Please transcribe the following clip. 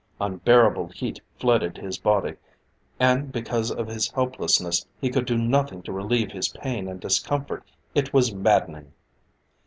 Unbearable heat flooded his body. And because of his helplessness, he could do nothing to relieve his pain and discomfort. It was maddening!